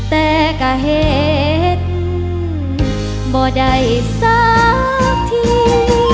แต่ก็เห็นบ่ได้สักที